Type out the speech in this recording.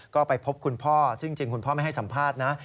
ก็ไปพบคุณพ่อซึ่งจริงคุณพ่อไม่ให้สัมภาษณ์นะ